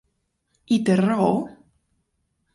I té raó?